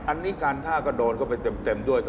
อันนี้การท่าก็โดนเข้าไปเต็มด้วย